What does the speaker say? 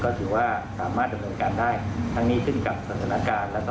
ก็ถือว่าสามารถทำเนินการได้ทั้งนี้ซึ่งกับสถานการณ์แล้วก็เหตุการณ์ของแต่ละประเทศนั้นนะครับ